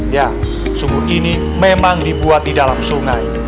ya sumur ini memang dibuat di dalam sungai